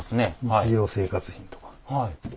日用生活品とか。